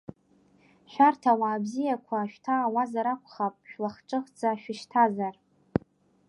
Шәарҭ ауаа бзиақәа шәҭаауазар акәхап, шәлахҿыхӡа шәышьҭазар.